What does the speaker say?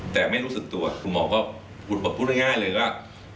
แต่ไม่รู้สึกตัวคุณหมอก็พูดง่ายเลยว่า